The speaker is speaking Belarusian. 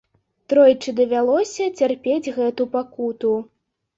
Тройчы давялося цярпець гэту пакуту.